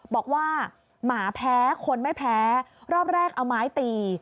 บอกว่าหมาแพ้คนไม่แพ้รอบแรกเอาไม้ตี